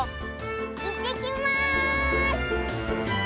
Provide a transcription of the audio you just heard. いってきます！